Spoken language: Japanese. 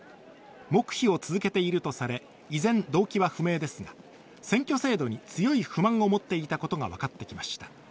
黙秘を続けているとされ、依然動機は不明ですが選挙制度に強い不満を持っていたことが分かってきました。